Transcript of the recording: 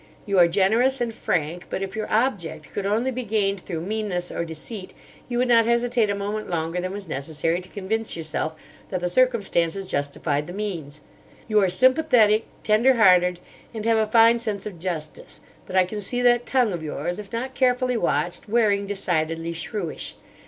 You are generous and frank, but if your object could only be gained through meanness or deceit you would not hesitate a moment longer than was necessary to convince yourself that the circumstances justified the means. You are sympathetic, tender hearted, and have a fine sense of justice; but I can see that tongue of yours, if not carefully watched, wearing decidedly shrewish.